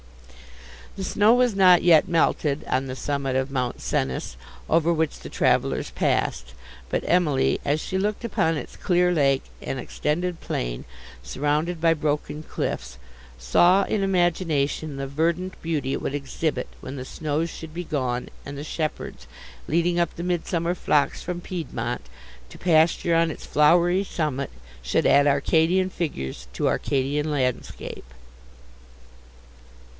The snow was not yet melted on the summit of Mount Cenis, over which the travellers passed; but Emily, as she looked upon its clear lake and extended plain, surrounded by broken cliffs, saw, in imagination, the verdant beauty it would exhibit when the snows should be gone, and the shepherds, leading up the midsummer flocks from Piedmont, to pasture on its flowery summit, should add Arcadian figures to Arcadian landscape.